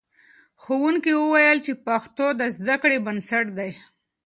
ښوونکي وویل چې پښتو د زده کړې بنسټ دی.